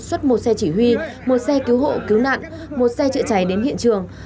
xuất một xe chỉ huy một xe cứu hộ cứu nạn một xe chữa cháy đến hiện trường